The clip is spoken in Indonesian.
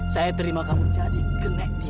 saya terima kamu jadi kenek dia